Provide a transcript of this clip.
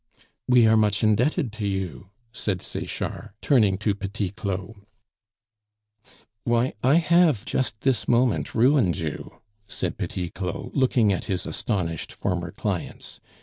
"We are much indebted to you," said Sechard, turning to Petit Claud. "Why, I have just this moment ruined you," said Petit Claud, looking at his astonished former clients.